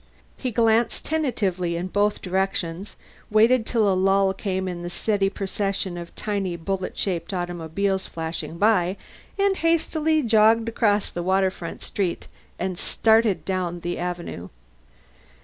He glanced tentatively in both directions, waited till a lull came in the steady procession of tiny bullet shaped automobiles flashing by, and hastily jogged across the waterfront street and started down the avenue.